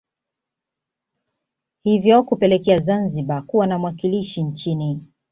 Hivyo kupelekea Zanzibar kuwa na mwakilishi nchini